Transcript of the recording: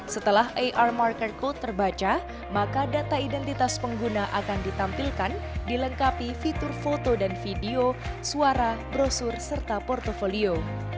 setelah ar marker code terbaca maka data identitas pengguna akan ditampilkan dilengkapi fitur foto dan video suara brosur serta portfolio